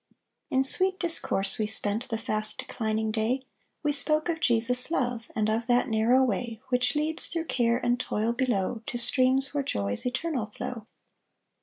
In sweet discourse we spent The fast declining day: We spoke of Jesus' love, And of that narrow way Which leads, through care And toil below, To streams where joys Eternal flow.